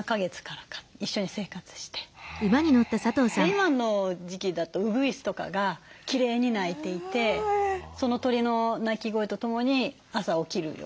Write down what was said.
今の時期だとウグイスとかがきれいに鳴いていてその鳥の鳴き声とともに朝起きるような生活というか。